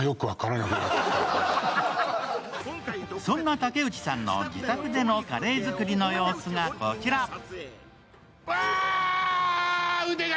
そんな竹内さんの自宅でのカレー作りの様子がこちら。